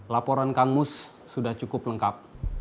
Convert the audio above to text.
laporan kang mus sudah cukup lengkap